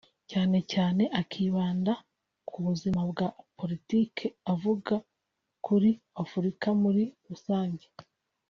cyane cyane akibanda ku buzima bwa politiki avuga kuri Afurika muri rusange